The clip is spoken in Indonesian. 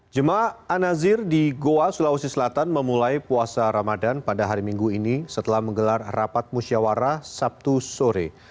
jemaah an nazir di goa sulawesi selatan memulai puasa ramadan pada hari minggu ini setelah menggelar rapat musyawarah sabtu sore